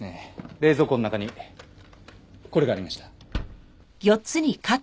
冷蔵庫の中にこれがありました。